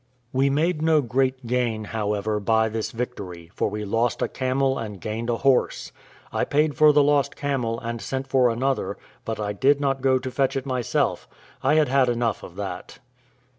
We made no great gain, however, by this victory, for we lost a camel and gained a horse. I paid for the lost camel, and sent for another; but I did not go to fetch it myself: I had had enough of that.